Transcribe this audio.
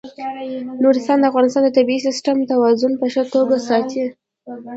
نورستان د افغانستان د طبعي سیسټم توازن په ښه توګه ساتي.